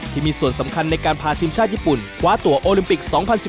ที่มีส่วนสำคัญในการพาทีมชาติญี่ปุ่นคว้าตัวโอลิมปิก๒๐๑๘